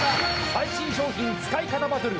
最新商品使い方バトル！